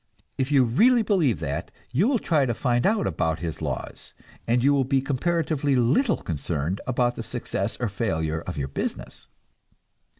If you really believe that, you will try to find out about his laws, and you will be comparatively little concerned about the success or failure of your business.